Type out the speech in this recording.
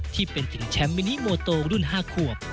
ที่เป็นถึงแชมป์มินิโมโตรุ่น๕ขวบ